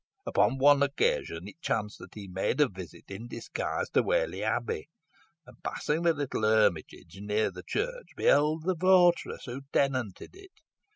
"Upon one occasion it chanced that he made a visit in disguise to Whalley Abbey, and, passing the little hermitage near the church, beheld the votaress who tenanted it.